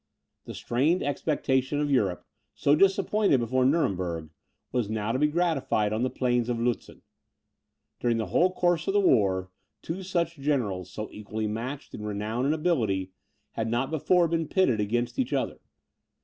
The strained expectation of Europe, so disappointed before Nuremberg, was now to be gratified on the plains of Lutzen. During the whole course of the war, two such generals, so equally matched in renown and ability, had not before been pitted against each other.